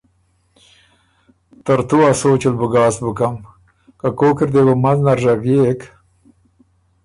ترتُو ا سوچ ال بُو ګاسک بُکم۔ که کوک اِر دې بُو منځ نر ژغيېک